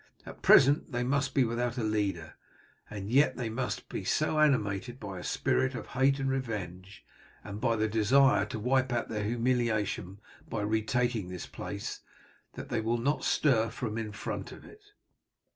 At present they must be without a leader, and yet they must be so animated by a spirit of hate and revenge, and by the desire to wipe out their humiliation by retaking this place, that they will not stir from in front of it."